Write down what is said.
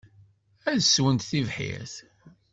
Ad sswent tibḥirt.